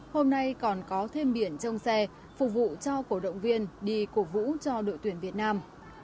hôm nay còn có thêm biển trông xe phục vụ cho cổ động viên đi cổ vũ cho đội tuyển việt nam